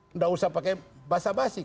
tidak usah pakai basa basi